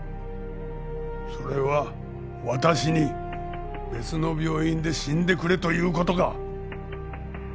それは私に別の病院で死んでくれという事か？